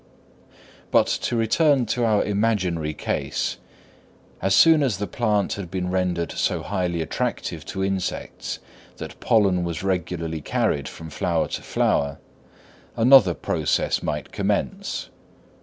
But to return to our imaginary case; as soon as the plant had been rendered so highly attractive to insects that pollen was regularly carried from flower to flower, another process might commence.